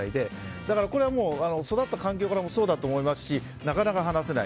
だからこれは育った環境からそうだと思いますしなかなか離せない。